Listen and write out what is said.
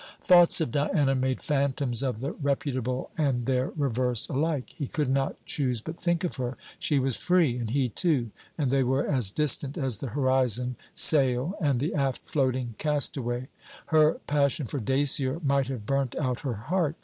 Thoughts of Diana made phantoms of the reputable and their reverse alike. He could not choose but think of her. She was free; and he too; and they were as distant as the horizon sail and the aft floating castaway. Her passion for Dacier might have burnt out her heart.